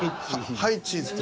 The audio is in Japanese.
「ハイ！チーズ」って。